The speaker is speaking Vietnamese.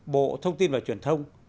bộ thông tin và truyền thông